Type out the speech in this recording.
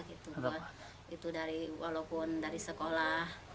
itu dari sekolah